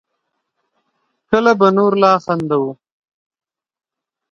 کله به نور لا خندوو